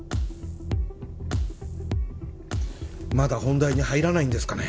まだ本題に入らないんですかね。